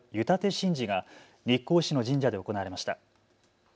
神事が日光市の神社で行われました。